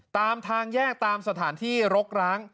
ตามทางแยกตามสถานที่รกร้าง